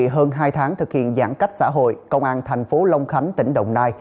hơn hai tháng thực hiện giãn cách xã hội công an tp long khánh tỉnh đồng nai